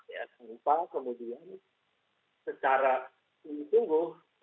ya tanpa kemudian secara tinggi tunggu